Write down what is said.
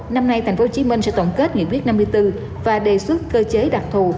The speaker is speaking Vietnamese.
năm nay tp hcm sẽ tổng kết nghị quyết năm mươi bốn và đề xuất cơ chế đặc thù